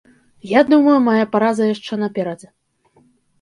Я думаю, мая параза яшчэ наперадзе.